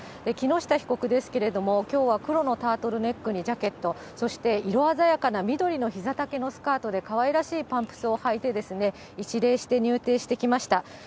木下被告ですけれども、きょうは黒のタートルネックにジャケット、そして色鮮やかな緑のひざ丈のスカートで、かわいらしいパンプスを履いて、一礼して入廷してきました。